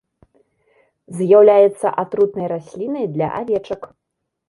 З'яўляецца атрутнай раслінай для авечак.